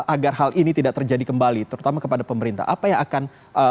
agar hal ini tidak terjadi kembali terutama kepada pemerintah apa yang akan